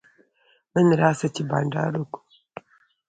نن راسه چي بانډار وکو.